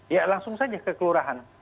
ya langsung saja ke kelurahan